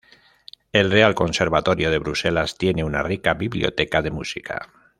El Real Conservatorio de Bruselas tiene una rica biblioteca de música.